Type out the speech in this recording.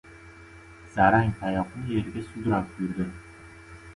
Zarang tayoqni yerga sudrab yurdi.